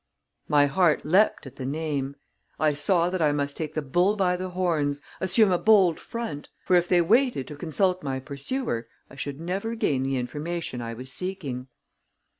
My heart leaped at the name. I saw that I must take the bull by the horns assume a bold front; for if they waited to consult my pursuer, I should never gain the information I was seeking.